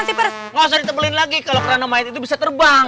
gak usah ditebelin lagi kalo kerendah mait itu bisa terbang